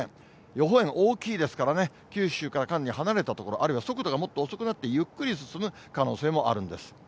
予報円大きいですからね、九州からかなり離れた所、あるいは速度がもっと遅くなってゆっくり進む可能性もあるんです。